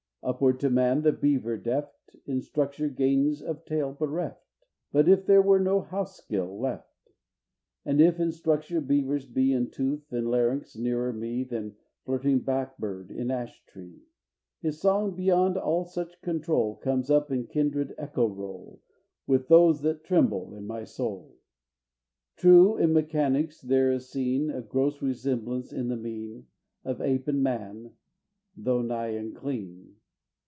Upward to man the beaver deft In structure gains of tail bereft But if there were no house skill left! And if in structure beavers be In tooth and larynx nearer me Than flirting blackbird in ash tree, His song beyond all such control Comes up in kindred echo roll, With those that tremble in my soul. III. True, in mechanics there is seen A gross resemblance in the mien Of ape and man thought nigh unclean!